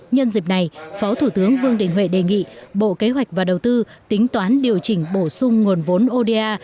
nhân dịp này phó thủ tướng vương đình huệ đề nghị bộ kế hoạch và đầu tư tính toán điều chỉnh bổ sung nguồn vốn oda